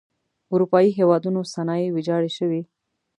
اروپايي هېوادونو صنایع ویجاړې شوئ.